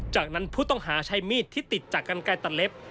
จากนั้นผู้ต้องหาใช้มีดที่ติดจากกันไกลตัดเล็บ